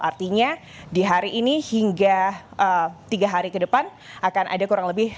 artinya di hari ini hingga tiga hari ke depan akan ada kurang lebih